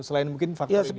selain mungkin fakta individu